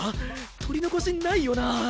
取り残しないよな？